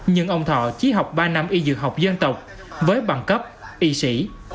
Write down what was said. nhưng ông thọ chỉ học ba năm y dược học dân tộc với bằng cấp y sĩ